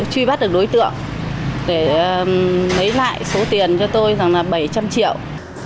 truy bắt được đối tượng để lấy lại số tiền cho tôi rằng là bảy trăm linh triệu